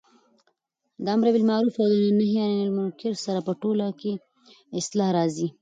په امرباالمعرف او نهي عن المنکر سره په ټوله کي اصلاح راځي